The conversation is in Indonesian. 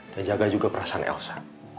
dan jaga juga perasaan elsa